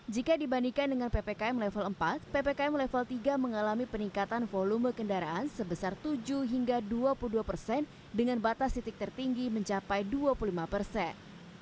jika dibandingkan dengan ppkm level empat ppkm level tiga mengalami peningkatan volume kendaraan sebesar tujuh hingga dua puluh dua persen dengan batas titik tertinggi mencapai dua puluh lima persen